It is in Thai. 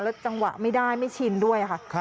แล้วจังหวะไม่ได้ไม่ชินด้วยค่ะ